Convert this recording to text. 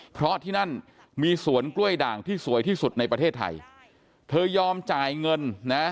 เพราะที่นั่นมีสวนกล้วยด่างที่สวยที่สุดในประเทศไทยเธอยอมจ่ายเงินนะ